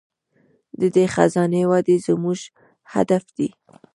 د دې خزانې وده زموږ هدف دی.